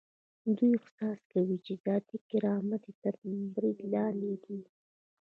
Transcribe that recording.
دوی احساس کوي چې ذاتي کرامت یې تر برید لاندې دی.